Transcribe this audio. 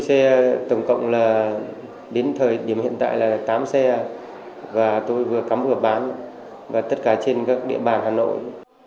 xe tổng cộng là đến thời điểm hiện tại là tám xe và tôi vừa cắm vừa bán và tất cả trên các địa bàn hà nội